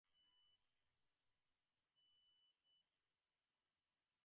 Protea পেসারদের ভয়ে ভারতীয় ব্যাটসম্যানরা কুঁকড়ে গেছেন—এমনটাও ভাবার কোনো কারণ নেই।